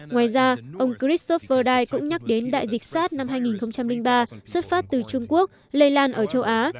ngoài ra ông christopherdai cũng nhắc đến đại dịch sars năm hai nghìn ba xuất phát từ trung quốc lây lan ở châu á